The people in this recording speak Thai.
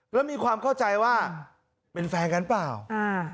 แล้วมีความเข้าใจว่าเป็นแฟนกันเปล่าอ่า